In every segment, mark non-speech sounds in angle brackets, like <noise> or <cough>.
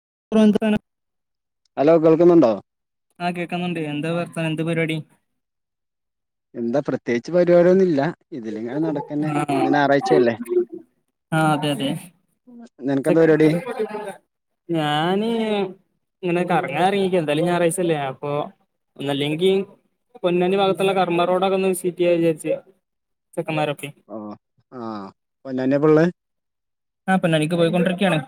<unintelligible> Hello കേൾക്കുന്നുണ്ടോ? ആഹ് കേക്കുന്നുണ്ട് എന്താ വർത്താനം എന്താ പര്‌വാടി എന്താ പ്രത്യേയിച്ച് പര്‌വാടിയൊന്നും ഇല്ല ഇതിലിങ്ങെനെ നട്ക്കെന്നെ ആ ഇന്ന് ഞാറാഴ്ച്ച അല്ലെ? ആ അതെ അതെ <unintelligible> ഞാന് ഇങ്ങെനെ കറങ്ങാൻ എറങ്ങിക്കാ എന്തായാലും ഞാറാഴ്ച്ച അല്ലെ അപ്പൊ ഒന്ന് അല്ലെങ്കി പൊന്നാനി ഭാഗത്ത് ഇള്ള കർമ്മ റോഡൊക്കെ ഒന്ന് വിസിറ്റ് ചെയ്യാ വിചാര്ച്ച് ചെക്കമ്മാരെ ഓ ആഹ് പൊന്നാനിയാ ഇപ്പൊ ഇള്ളേ? ആഹ് പൊന്നാനിക്ക് പോയി കൊണ്ടൊരൊക്കെയാണ്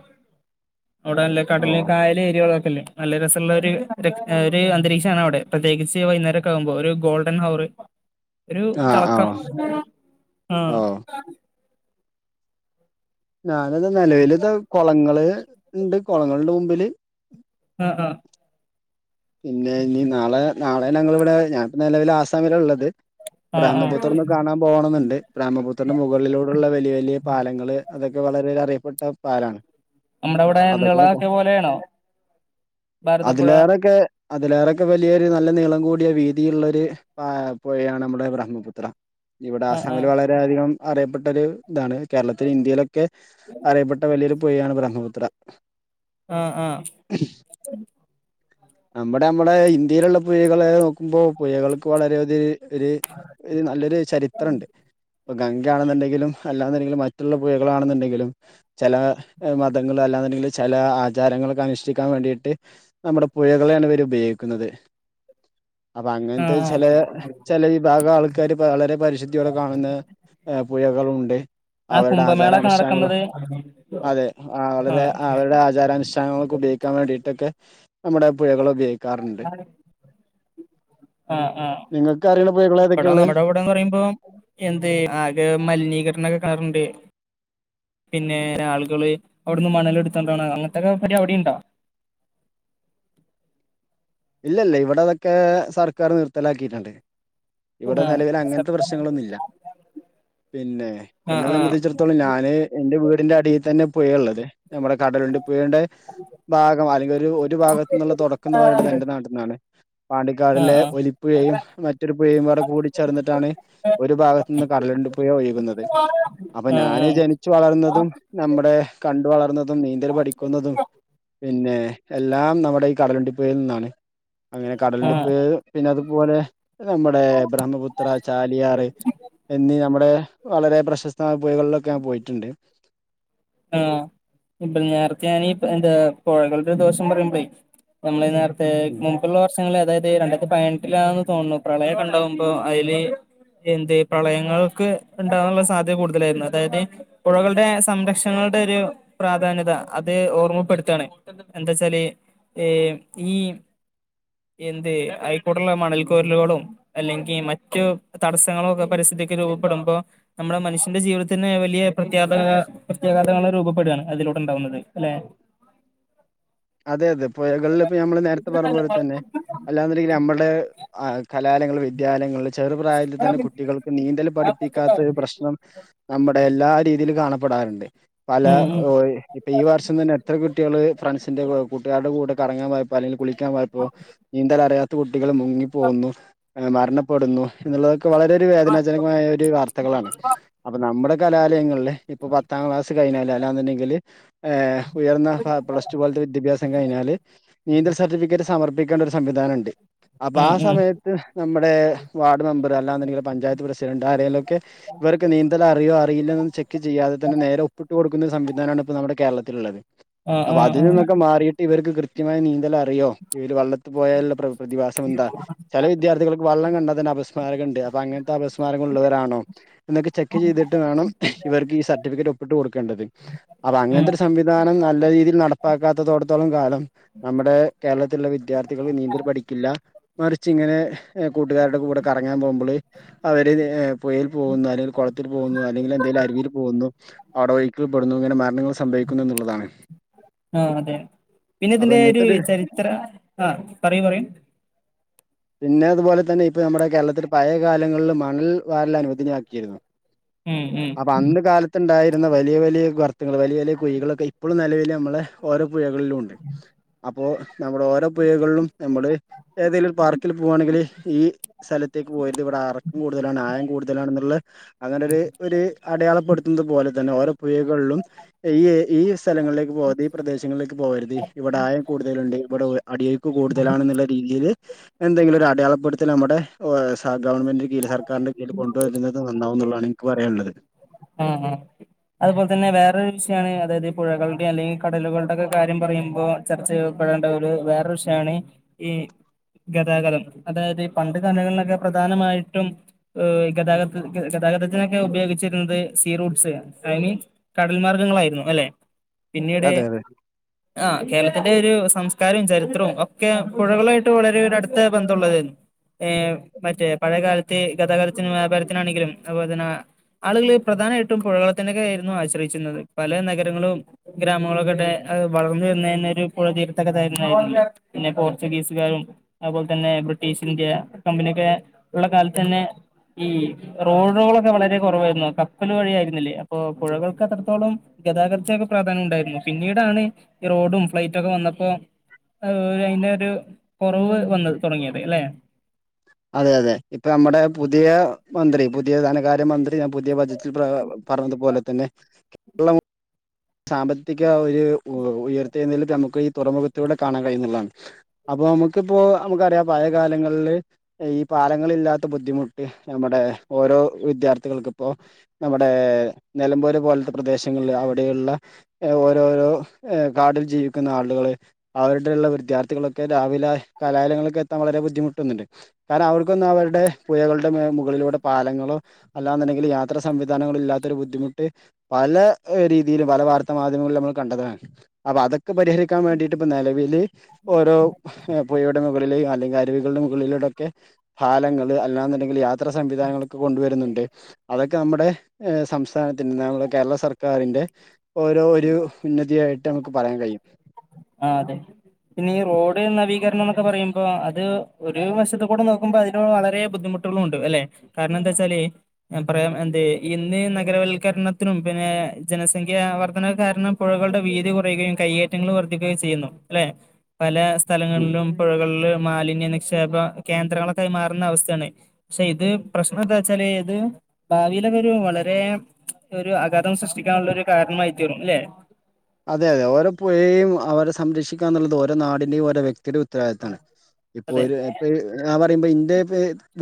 അയുടെ നല്ലെ ഓ കടലും കായലും ഏരിയ കളൊക്കെയില്ലെ നല്ല രസ ഇള്ളൊര് ഒര് ഒര് അന്തരീക്ഷാണ് അയുടെ പ്ര ത്യേകിച്ച് വൈന്നേരൊക്കെ ആകുമ്പോ ഒര് ഗോൾഡെൻ ഹവറ് ഒരു ആഹ് തെളക്കം ആഹ് ആഹ് ഓ ഞാനത് നിലവലിത കൊളങ്ങള് ഉണ്ട് കൊളങ്ങളുടെ മുമ്പില് ആഹ് -ആഹ് പിന്നെ ഇനി നാളെ നാളെ ഞങ്ങളിവിടെ ഞാനിപ്പ നിലവില് ആസാമില ഉള്ളത് ആ ആ ബ്രേഹ്മപുത്രം ആ ഒന്ന് കാണാൻ പോകണംന്നുണ്ട് പ്രേമപുത്രിന്റെ മുകളിലൂടുള്ള വലിയ വലിയ പാലങ്ങള് അതൊ ക്കെ വളരെ ഒരു അറിയപ്പെട്ട പാലാണ് നമ്മുടെ ഇവിടെ അതൊക്കെ നിളാ ഒന്ന് ഒക്കെ പോലെയാണോ ഭാരതപ്പുഴ അതിലേറൊക്കെ വലിയൊരു നല്ല നീളം കൂടിയ വീതിയുള്ളൊരു പാ പുഴയാണ് നമ്മുടെ ബ്രഹ്മപുത്ര ഇവിടെ ആ ആ ആസാമില് വളരെയധികം അറിയപ്പെട്ട ഒരു ഇതാണ് കേരളത്തിൽ ഇന്ത്യയിലൊ ക്കെ അറിയപ്പെട്ട വലിയൊരു പുഴയാണ് ബ്രഹ്മപുത്ര ആഹ് -ആഹ് നമ്മുടെ നമ്മുടെ ഇന്ത്യയിലുള്ള പുഴകള് നോക്കുമ്പോ പുഴകൾക്ക് വളരെയധി ഒര് ഒരു നല്ലൊരു ചരിത്ര ഒണ്ട് ഇപ്പ ഗംഗയാണെന്നുണ്ടെങ്കിലും അല്ലാതേതെങ്കിലും മറ്റുള്ള പുഴകളാണെന്നുണ്ടെങ്കിലും ചെല മതങ്ങള് അല്ലാ <unintelligible> ചെല ആചാരങ്ങളൊക്കെ അനുഷ്ഠിക്കാൻ വേണ്ടിയിട്ട് നമ്മടെ പുഴകളെയാണ് ഇവര് ഉപയോഗിക്കുന്നത് അപ്പൊ ആ അങ്ങനത്തെ ആ ചേലെ ചെല വിഭാഗം ആൾക്കാര് വളരെ പരിശുദ്ധിയോടെ കാണുന്ന ഏ പുഴകളുണ്ട് ആ അവരുടെ കുംഭമേള ഒക്കെ ആചാരാനുഷ്ഠാനങ്ങള് നടക്കുന്നത് അതെ ആ വളരെ അവരുടെ ആചാരാനുഷ് ട്ടാനങ്ങളൊക്കെ ഉപയോഗിക്കാൻ വേണ്ടിയിട്ടൊക്കെ നമ്മുടെ പുഴകള് ഉപയോഗിക്കാറുണ്ട് ആ ആ നിങ്ങൾക്ക് അറിയുന്ന പുഴകൾ ഏതൊക്കെയാ ഇവിടെ ഉള്ളെ നമ്മുടെ ഇവിടെന്ന് പറയുമ്പോ എന്ത് ആകെ മലിനീകരണ കണ്ട് <unintelligible> പിന്നെ ആളുകള് അവിടുന്ന് മണല് എടുത്തണ്ടാണ് അങ്ങനത്തൊക്കെ പരിപാടി അവിടെയുണ്ടോ <inaudible> ഇല്ല ഇല്ല ഇവിടെ അതൊക്കെ സർക്കാർ നിർത്തലാക്കിയിട്ടുണ്ട് ഇവിടെ ആ നിലവിൽ അങ്ങനത്തെ പ്രശ്നങ്ങളൊന്നുമില്ല പിന്നെ ആ എന്നെ ആ ആ സംബന്ധിച്ചിടത്തോളം ഞാന് എൻറെ വീടിന്റെ അടിയിൽ തന്നെ പൊയയുള്ളത് നമ്മുടെ കടലു പുഴന്റെ ഭാഗം അല്ലെങ്കിൽ ഒരു ഒരു ഭാഗത്ത് നിന്നുള്ള തുടക്കം എന്ന് പറയ ത ആ പാണ്ടിക്കാടിലെ ഒലിപ്പുഴയും മറ്റൊരു പുഴയും കൂടെ കൂടി ചേർന്നിട്ടാണ് ഒരു ഭാഗത്തു നിന്ന് കട ണ്ടുപ ഒഴുന്നത് അപ്പൊ ആ ഞാന് ജനിച്ചു വളർന്നതും നമ്മുടെ ക വളർന്നതും നീന്തൽ പഠിക്കുന്നതും അങ്ങനെ ആ ആ കടലെടുപ്പ് പിന്നെ അതുപോലെ നമ്മുടെ ബ്രഹ്മപുത്ര ചാലിയാറ് എന്നീ നമ്മുടെ വളരെ പ്രശസ്തമായ പുയകളിലൊക്കെ ഞാൻ പോയിട്ടുണ്ട് ആ ഇപ്പോ നേരത്തെ ഞാനീ എന്താ പുഴകളുടെ ദോഷം പറയുമ്പോളേ നമ്മള നേ ഉം മുമ്പുള്ള വർഷങ്ങിൽ അതായത് രണ്ടായിരത്തി പതിനെട്ടിലാെന്ന് തോന്നുന്നു പ്രളയം കണ്ടാവുമ്പോൾ അതില് എന്ത്ഈ പ്രളയങ്ങൾക്ക് ഉണ്ടാകാനുള്ള സാധ്യത കൂടുതലായിരുന്നു അതായത് പുഴകളുടെ സംരക്ഷ ളുടെ ഒരു പ്രാധാന്യത അത് ഓർമ്മപ്പെടുത്തയാണ് എന്താ വച്ചാല് എ ഈ എന്തേ അയൽക്കൂട്ട <unintelligible> അല്ലെങ്കിൽ മറ്റ് തടസങ്ങൾ ഒക്കെ പരസ്യ ഇടയ്ക്ക് രൂപപ്പെടുമ്പോ നമ്മുടെ മനസിന്റെ ജീവിതത്തിന് വലിയ പ്രഖ്യാപ പ്രത്യാഘാതങ്ങൾ രൂപപ്പെടുകയാണ് അതിലോട്ടുണ്ടാവുന്നത് അല്ലെ അതെ അതെ പുഴകളിൽ ഇപ്പ നമ്മള് നേരത്തെ പറഞ്ഞ കലാലങ്ങൾ വിദ്യാലയങ്ങളിൽ ചെറു പ്രായത്തിൽ തന്നെ കുട്ടികൾക്ക് നീന്തൽ പഠിപ്പിക്കാത്ത ഒരു പ്രശ്നം നമ്മുടെ എല്ലാ രീതിയിലും കാണ പ്പെടാറുണ്ട് പല ഉം ഇപ്പോ ഈ വർഷം തന്നെ എത്ര കുട്ടികള് ഫ്രണ്ട്സ് ന്റെ കൂട്ടുകാരുടെ കൂടെ കറങ്ങാൻ പോയപ്പോ അല്ലെങ്കിൽ കുളി ക്കാൻപ്പോയപ്പോ നീന്തൽ അറിയാത്ത കുട്ടികൾ മുങ്ങിപ്പോകുന്നു മരണപ്പെടുന്നു എന്നുള്ളത് വളരെ ഒരു വേദനാജനകമായ ഒരു വാർത്തകളാണ് അപ്പൊ നമ്മുടെ കലാലയങ്ങളിലെ ഇപ്പം പത്താം ക്ലാസ് കഴിഞ്ഞാൽ അല്ലാന്ന് ഇണ്ടെങ്കിൽ ഏഹ് ഉയെർന്ന പ്ലസ് ടു പോലത്തെ വിദ്യാഭ്യാസം കഴിഞ്ഞാല് നീന്തെൽ സർട്ടിഫിക്കെറ്റ് സമർപ്പിക്കേണ്ട ഒര് സംവിധാനം ഇണ്ട് അപ്പ ഉം ഉം ആ ഉം സമയെത്ത് നമ്മുടെ വാർഡ് മെമ്പർ അല്ലാെന്ന് ഇണ്ടെങ്കിൽ പഞ്ചായെത്ത് പ്രസിഡെന്റ് ആരെലും ഒക്കെ ഇവർക്ക് നീന്തെൽ അറിയോ അറിയില്ലെന്ന് ചെക്ക് ചെയ്യാതെ തെന്നെ നേരെ ഒപ്പ് ഇട്ട് കൊട്ക്കു ന്ന സംവിധാനാണ് ഇപ്പം നമ്മുടെ കേരളത്തിൽ ഇള്ളെത് ആ ആ അപ്പ അതിൽ ആ നിന്നൊക്കെ മാറിയിട്ട് ഇവെര്ക്ക് കൃത്യമായ നീന്തെൽ അറിയോ ഇവെര് വള്ളത്തി പോയാൽ ഇള്ള പ്ര പ്രതിഭാസം എന്താ ചെല വിദ്യാർത്ഥികൾക്ക് വള്ളം കണ്ടാ അപസ്മാരം ഒക്കെ ഇണ്ട് അപ്പ അങ്ങെൻത്തെ അപസ്മാരം ഒക്കെ ഉള്ളവരാണോ എന്നൊക്കെ ചെക്ക് ചെയ്തിട്ട് വേണം ഇവെർക്ക് ഈ സർ ട്ടിഫിക്കെറ്റ് ഒപ്പിട്ട് കൊട്ക്കേണ്ടത് അപ്പ ഉം അങ്ങെൻത്തെ ഒര് സംവിധാനം നല്ല രീതി നടപ്പാക്കാത്തതോട്ത്തോളം കാലം നമ്മുടെ കേരളത്ത് ഇള്ള വിദ്യാർത്ഥികെൾ നീന്തെൽ പഠിക്കില്ല ഇപ്പ ഇച്ച് ഇങ്ങെനെ കൂട്ട്കാരുടെ കൂടെ കറങ്ങാൻ പോവ്മ്പെൾ അവര് പുഴയിൽ പോകുന്നു. അല്ലെങ്കിൽ കുളത്തിൽ പോകുന്നു അല്ലെങ്കിൽ എന്തേലും അരുവിയിൽ പോകുന്നു അവിടെ <unintelligible> <unintelligible> ഇങ്ങനെ മരണങ്ങള് സംഭവിക്കുന്നു എന്നുള്ളതാണ് ആഹ് അതെ പിന്നെ അപ്പൊ ഇതിന്റെ ഒരു ഇങ്ങനത്തെ ചരിത്ര ആഹ് പറയൂ പറയൂ പിന്നെ അതുപോലെ തന്നെ ഇപ്പം നമ്മുടെ കേരളത്തില് പഴയ കാലങ്ങളില് മണൽ വാരല് അനുവദനിയാക്കിയിരുന്നു ഉം അപ്പൊ ഉം അന്ന് കാലത്തുണ്ടായ <unintelligible> വലിയ വലിയ ഗർത്തങ്ങള്, വലിയ വലിയ കുഴികളൊക്കെ ഇപ്പൊഴും നിലവിൽ നമ്മളെ ഓരോ പുഴകളിലും ഉണ്ട്. അപ്പോ നമ്മുടെ ഓരോ പുഴകളിലും നമ്മള് ഏതേലും പാർക്കിൽ പോവാണെങ്കില് ഈ സല <unintelligible> വരും <unintelligible> അറക്കം കൂടുതലാണ് ആയം കൂടുതലാണെന്നുള്ള അങ്ങനെ ഒരു ഒരു അടയാളപ്പെടുത്തുന്നത് പോലെ തന്നെ ഓരോ പുഴകളിലും ഈ ഈ സ്ഥലങ്ങളിലേക്ക് പോകാതെ ഈ പ്രദേശങ്ങളിലേക്ക് പോകരുത് ഇവിടെ ആയം കൂടുതലുണ്ട്. ഇവിടെ അടിയൊഴുക്ക് കൂടുതലാണെന്നുള്ള രീതിയില് എന്തെങ്കിലും ഒരു അടയാളം <unintelligible> നമ്മുടെ സ ഗവൺമെന്റിന്റെ കീഴില് സർക്കാരിന്റെ കീഴില് കൊണ്ടുവരുന്നത് നന്നാവും എന്നുള്ളാ <unintelligible> എനിക്ക് പറയാള്ളത് ആഹ് ആഹ് അതുപോലെ തന്നെ വേറൊരു വിഷയാണ് അതായത് പുഴകളുടെയും അല്ലെങ്കിൽ കടലുകളുടെയൊക്കെ കാര്യം പറയുമ്പോൾ ചർച്ച <unintelligible> ഒരു വേറൊരു വിഷയാണ് ഈ ഗതാഗതം. അതായത് ഈ പണ്ട് കാലങ്ങളിലൊക്കെ പ്രധാനമായിട്ടും ഇഹ് ഗതാഗത് ഗ ഗത ഗതാഗതത്തിനൊക്കെ ഉപയോഗിച്ചിരുന്നത് സീ റൂട്ട്സ് <unintelligible> കടൽ മാർഗങ്ങളായിരുന്നു അല്ലെ. പിന്നീട് അതെ അതെ ആഹ് കേരളത്തിന്റെ ഒരു സംസ് <unintelligible> ചരിത്രോം ഒക്കെ പുഴകളായിട്ട് വളരെ ഒരു അടുത്ത ബന്ധമുള്ളതായിരുന്നു. ഏഹ് മറ്റേ പഴേ കാലത്തെ ഗതാഗതത്തിനും വ്യാപാരത്തിനാണെങ്കിലും അതുപോലെ തന്ന ആളുകള് പ്രധാനമായിട്ടും പുഴകളെ തന്നക്കെയായിരുന്നു ആശ്രയിച്ചിരുന്നത് പല നഗരങ്ങളും ഗ്രാമങ്ങളുംക്കെ <unintelligible> വളർന്നു വരുന്ന തന്ന ഒരു പുഴ തീർത്ഥകഥ <unintelligible> പിന്നെ പോർച്ചുഗീസുകാരും അതുപോലെ തന്നെ ബ്രി <unintelligible> ഇന്ത്യ കമ്പനിയൊക്കെ ഉള്ള കാലത്ത് തന്നെ ഈ റോഡുകളൊക്കെ വളരെ കുറവായിര് <unintelligible> കപ്പല് വഴിയായിരുന്നില്ലേ അപ്പൊ പുഴകൾക്ക് അത്രത്തോളം ഗതാഗതത്തിനൊക്കെ പ്രാധാന്യം ഉണ്ടായിരുന്നു. പിന്നീടാണ് ഈ റോഡും ഫ്ലൈറ്റും ഒക്കെ വന്നപ്പോ അതിന്റെ ഒരു കുറവ് വന്നത് തുടങ്ങിയത് അല്ലെ അതെ അതെ ഇപ്പൊ നമ്മടെ പുതിയ മന്ത്രി പുതി പുതിയ ധനകാര്യമന്ത്രി ഞാൻ പുതിയ ബജറ്റിൽ പറഞ്ഞതുപോലെ തന്നെ കേരളം സാമ്പത്തിക ഒരു ഉയർത്തിയുന്നതിൽ നമുക്ക് ഈ തുറമുഖത്തിലൂടെ കാണാൻ കഴിയുന്ന്ള്ളതാണ് അപ്പോൾ നമുക്കിപ്പോ നമുക്കറിയാം പഴയ കാലങ്ങളില് ഈ പാലങ്ങളില്ലാത്ത ബുദ്ധിമുട്ട് നമ്മുടെ ഓരോ വിദ്യാർത്ഥികൾക്കിപ്പോ നമ്മുടെ നിലമ്പൂര് പോലത്തെ പ്രദേശങ്ങളിൽ അവിടെയുള്ള ഓരോരോ കാടിൽ ജീവിക്കുന്ന ആളുകള് അവരുടെയുള്ള വിദ്യാർത്ഥികളൊക്കെ രാവിലെ കാലയങ്ങളിലെക്കെത്താൻ വളരെ ബുദ്ധിമുട്ടുന്നുണ്ട് കാരണം അവർക്കൊന്ന് അവരുടെ പുഴകളുടെ മുകളിലൂടെ സ്ഥലങ്ങളും അല്ലാന്നുണ്ടെങ്കിൽ യാത്ര സംവിധാനങ്ങളില്ലാത്ത ഒരു ബുദ്ധിമുട്ട് പല രീതിയിലും പല വാർത്താ മാധ്യമങ്ങളിൽ നമ്മൾ കണ്ടതാണ് അപ്പൊ അതൊക്കെ പരിഹരിക്കാൻ വേണ്ടിട്ട് ഇപ്പ നിലവില് ഓരോ പുഴയുടെ മുകളില് അല്ലെങ്കി അരുവികളുടെ മുകളിലൂടെക്കെ പാലങ്ങള് അല്ലാന്നുണ്ടെങ്കില് യാത്ര ഇത്ര സംവിധാനങ്ങളൊക്കെ കൊണ്ടുവരുന്നുണ്ട് അതൊക്കെ നമ്മുടെ സംസ്ഥാനത്തിന്റെ നമ്മുടെ കേരള സർക്കാരിന്റെ ഓരോ ഒരു ഉന്നതിയായിട്ട് നമുക്ക് പറയാൻ കഴിയും ആ അതെ പിന്നെ ഈ റോഡ് നവീകരണം എന്നൊക്കെ പറയുമ്പോ അത് ഒരു വശത്ത കൂടെ നോക്കുമ്പോ അതിനോട് വളരെ ബുദ്ധിമുട്ട് ണ്ട് അല്ലെ കാരണം എന്താ വച്ചാല് പറയാ എന്ത ഇന്ന് നഗരവൽക്കരണത്തിനും പിന്നെ ജനസംഖ്യ വർദ്ധന കാരണം പുഴകളുടെ വീതി കുറയുകയും കയ്യേറ്റങ്ങൾ വ ചെയ്യുന്നു അല്ലെ പല സ്ഥലങ്ങളിലും പുഴകളിലും മാലിന്യ നിക്ഷേപ കേന്ദ്രങ്ങളൊക്കൈ മാറുന്ന അവസ്ഥയാണ് പക്ഷെ ഇത് പ്രശ്നം എന്താ വച്ചാല് ഇത് ഭാവിൽക്ക ഒരു വളരെ ഒരു അഘാതം സൃഷ്ടിക്കാനുള്ള ഒരു കാരണമായി തീറും അല്ലെ അതെ അതെ ഓരോ പുഴെയയും അവരെ സംരക്ഷാ എന്നുള്ളത് ഓരോ നാടിൻന്റെയുംഓരോ വ്യക്തിയുടെയും ഉത്തരവാദിത്താണ് ഇപ്പോൊ അതെ ഒരു ഇപ്പ പറയുമ്പോൾ ഇന്റെ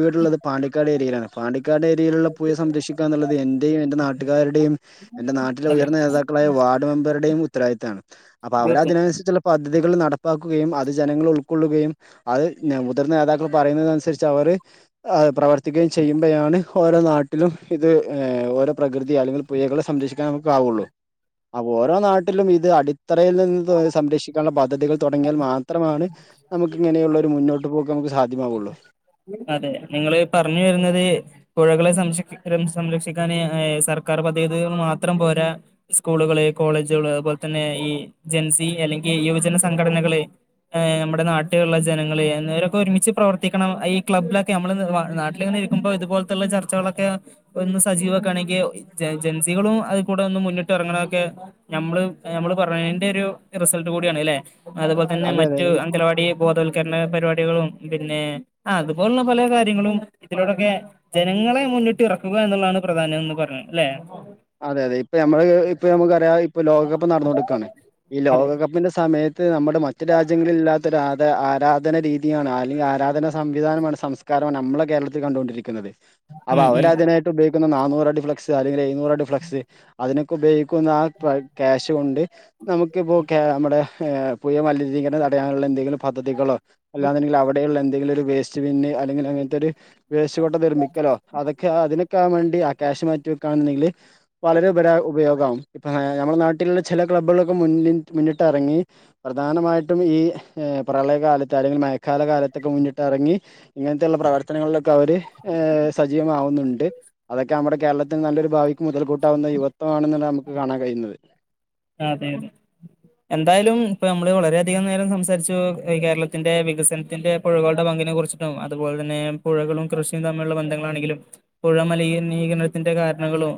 വീടുള്ളത് പാണ്ടിക്കാട് ഏരിയയിലാണ് പക്കാട് ഏരിയയിലുള്ള പയ സംരക്ഷിക്കാ എന്നുള്ളത് എന്റെയും എന്റെ നാട്ടുകാരുടെയും എന്റെ നാട്ടിലെ അതെ ഉയർന്ന നേതാക്കളായ വർഡ് മെമ്പറയും ഉത്തരദിത്തമാണ് അപ്പോ അവ തീർത്തും അതിനനുരിുള്ള പദ്ധതികൾ നടപ്പാക്കുകയും അത് ജനങ്ങൾ ഉൾക്കൊള്ളുകയും അത് മുതിർന്ന നേതാക്കൾ പറയുന്നതനുസരിച്ച് അവർ പ്രവർത്തിക്കുകയും ചെയ്യുമ്പോഴാണ് ഓരോ നാട്ടിലും ഇത് ഓരോ പ്രകൃതി അല്ലെങ്കിൽ പു സംരക്ഷിക്കാൻ നമുക്ക ആാവുള്ളു അപ്പൊ ഓരോ നാട്ടിലും ഇത് അടി ഇത്രയിൽ നിന്ന് സംരക്ഷിക്കാനുള്ള പദ്ധതികൾ തുടങ്ങിയാൽ മാത്രമാണ് നമുക്ക് ഇങ്ങനെയുള്ള ഒരു മുന്നോട്ട് പോകമക്ക് സാ അതെ നിങ്ങള് പറഞ്ഞു വരുന്നത് പുഴകളെ സം സംരക്ഷിക്കാാന് സർക്കാർ പദ്ധതികൾ മാത്രം പോരാ സ്കൂളുകളെ കോളേജുകള് അതുപോലെ തന്നെ ഈ ജെൻസി അല്ലെങ്കിൽ യുവജന സംഘടനകള് ഏഹ് നമ്മുടെ നാട്ടിലുള്ള ജനങ്ങള് എന്നവരൊക്കെ ഒരുമിച്ച് പ്രവർത്തിക്കണം ഈ ക്ലബ്ബിലൊക്കെ നമ്മള് നാട്ടിലിങ്ങനെ ഇരിക്കുമ്പോ ഇതുപോല്തുള്ള ചർച്ചകളൊക്കെ ഒ ഒന്ന് സജീവ കാണങ്കി ജൻസികളും അതി കൂടെ ഒന്ന് മുന്നിട്ട് ഇറങ്ങണൊക്കെ നമ്മള് നമ്മള് പറയേ എന്റെ ഒരു റിസൾട്ട് കൂടിയാണ് അല്ലെ അതുപോലെ തന്നെ അതെ അതെ മറ്റ് ഇപ്- അംഗണവാടി ബോധവൽക്കരണ പരിപാടികളും പിന്നെ അതുപോലുള്ള പല കാര്യങ്ങളും ഇതിലോടൊക്കെ ജനങ്ങളെ മുന്നിട്ട് ഇറക്കുക എന്നുള്ളതാണ് പ്രധാനം എന്ന് പറഞ്ഞത് അല്ലെ അതെ അതെ ഇപ്പൊ നമ്മള് ഇപ്പൊ നമുക്കറിയാം ഇപ്പൊ ലോകകപ്പ് നടന്നുകൊണ്ട്നിക്കുവാണ് ഈ ലോകകപ്പിന്റെ സമയത്ത് നമ്മുടെ മറ്റ് രാജ്യങ്ങളിൽ ഇല്ലാത്ത ആരാധന രീതിയാണ് അല്ലെങ്കിൽ ആരാധന സംവിധാനമാണ് സംസ്കാരമാണ് നമ്മളെ കേരളത്തിൽ കണ്ടുകൊണ്ടിരിക്കുന്നത് അപ്പൊ ഉം അവര് ഉം അതിനായിട്ട് ഉപയോഗിക്കുന്ന നാനൂറ് അടി ഫ്ലക്സ് അല്ലെങ്കിൽ എഴുനൂറ് അടി ഫ്ലക്സ് അതിന് ഉപയോഗിക്കുന്ന ആ ക്യാഷ് കൊണ്ട് നമുക്കിപ്പോകെ നമ്മുടെ പുഴ മലിനീകരണ തടയാനുള്ള എന്തെങ്കിലും പദ്ധതികളോ അല്ലാെങ്കിൽ അവിടെയുള്ള എന്തെങ്കിലും ഒരു വേസ്റ്റ് പിന്ന് അല്ലെങ്കിൽ അങ്ങനത്തെ ഒരു വേസ്റ്റ് കൊട്ട നിർമ്മിക്കലോ അതൊക്കെ അതിനൊക്കെ ആകൻ വേണ്ടി ആ ക്യാശ് മാറ്റി വെക്കാന്നുണ്ടെങ്കിൽ വളരെ ഉപരാ ഉപയോഗകാവും ഇപ്പ നമ്മുടെ നാട്ടിലുള്ള ചില ക്ലബ്ബുകളൊക്കെ മ മുന്നിട്ട് ഇറങ്ങി പ്രധാനമായിട്ടും ഈ പ്രളയകാലത്ത് അല്ലെങ്കിൽ മഴക്കാല കാലത്തൊക്കെ മുന്നിട്ട് ഇറങ്ങി ഇങ്ങനെയുള്ള പ്രവർ പ്രർത്തനങ്ങളിലൊക്കെ അവര് സജീവമാവുന്നുണ്ട് അതൊക്കെ നമ്മുടെ കേരളത്തിൽ നല്ലൊരു ഭാവിക്ക് മുതൽ കൂട്ട ട്ടാവുന്ന യുവത്വമാണെന്ന് നമുക്ക് കാണാൻ കഴിയുന്നത് അതെ അതെ എന്തായാലും ഇപ്പ നമ്മള് വളരെയധികം നേരം സംസാരിച്ചു കേരളത്തിന്റെ വികസനത്തിന്റെ പുഴകളുടെ പങ്കിനും കുറിച്ചിട്ടും അതുപോലെ തന്നെ പുഴകളും കൃഷിയും തമ്മുള്ള ബന്ധങ്ങളാണെങ്കിലും പുഴ മലിനീകരണത്തിന്റെ കാര ണങ്ങളും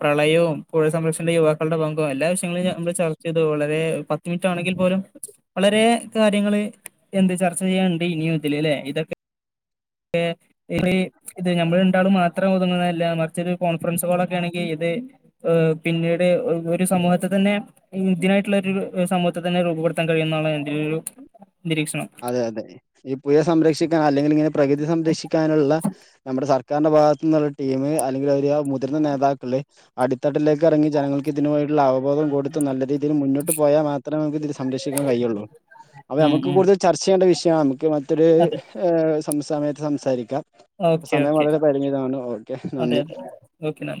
പ്രളയവും പുഴ സംരക്ഷണ യുവാക്കളുടെ പ ങ്കും എല്ലാ വിഷയങ്ങളും നമ്മള് ചർച്ച ചെയ്തു വളരെ പത്ത് മിനിറ്റാണെങ്കിൽ പോലും വളരെ കാര്യങ്ങള് എന്ത് ചർച്ച ചെയ്യാണ്ട് ഇനിയും ഇതില് അല്ലെ ഇതൊക്കെ എ ഇത് നമ്മൾ രണ്ടാളും മാത്രം ഒതുങ്ങതല്ല മറ്ച്ചൊരു കോൺഫറൻസ് കോൾ ഒക്കെ ആണെങ്കിൽ ഇത് ഹ് പിന്നീട് ഒരു സമൂഹത്തെ തന്നെ ഇന്ത്യനായിട്ടുള്ള ഒരു സമൂഹത്തെ തന്നെ രൂപപ്പെടുത്താൻ കഴിയുമുന്നാണ് എന്റെ ഒരു നിരീക്ഷണം അതെ അതെ ഈ പുയ സംരക്ഷിക്കാൻ അല്ലെങ്കിൽ ഇങ്ങനെ പ്രകൃതി സംരക്ഷിക്ക രക്ഷിക്കാനുള്ള നമ്മുടെ സർക്കാരിന്റെ ഭാഗത്തു നിന്നുള്ള ടീം അല്ലെങ്കിൽ അവര് മുതിർന്ന നേതാക്കള് അടിത്തട്ടിലേക്ക് ഇറങ്ങി ജനങ്ങൾക്ക് ഇതുമായിട്ടുള്ള അവബോധം കൊടുത്ത് നല്ല രീതിയിൽ മുന്നോട്ട് പോയാൽ മാത്രേ നമക്ക് ഇത് സംരക്ഷിക്കാൻ കഴിയുള്ളൂ അപ്പൊ ഉം നമുക്ക് ഉം കൂടുതൽ ചർച്ച ചെയ്യേണ്ട വിഷയമാണ് നമുക്ക് മറ്റൊരു അതെ ഹ് സമയത്ത് സംസാരിക്കാം ഓക്കെ സമയം ഓക്കെ വളരെ പരിമിതമാണ് ഓക്കെ അതെ നന്ദി അതെ ഓക്കെ നന്ദി